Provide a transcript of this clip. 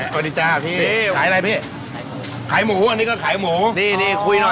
สวัสดีจ้าพี่ขายอะไรพี่ขายหมูอันนี้ก็ขายหมูนี่คุยหน่อยคุยหน่อย